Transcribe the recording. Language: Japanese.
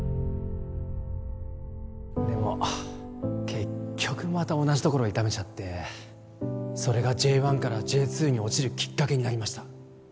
結局また同じところ痛めちゃってそれがＪ１からＪ２に落ちるきっかけになりました